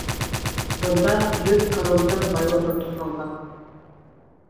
Бында йөҙ королдең байлығы тупланған.